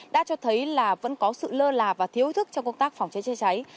đã cho thấy là vẫn có sự lơ là và thiếu thức trong công tác phòng cháy chữa cháy